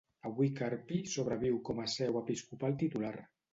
Avui Carpi sobreviu com a seu episcopal titular.